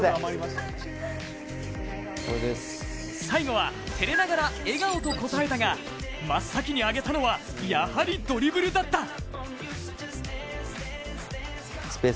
最後は、てれながら「笑顔」と答えたが真っ先に挙げたのはやはりドリブルだった。